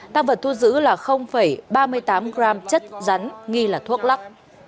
tác vật thu giữ là ba mươi tám gram chất rắn nghi là thuốc lắc